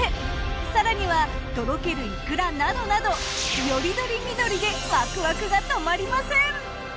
更にはとろけるいくらなどなどより取り見取りでワクワクが止まりません。